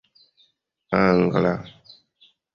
angla